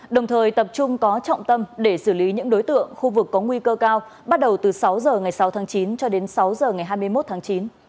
đồng thời tập trung có trọng tâm để xử lý những đối tượng khu vực có nguy cơ cao bắt đầu từ sáu h ngày sáu tháng chín cho đến sáu h ngày hai mươi một tháng chín